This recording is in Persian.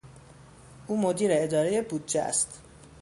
او مدیر ادارهی بودجه است.